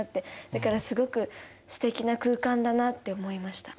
だからすごくすてきな空間だなって思いました。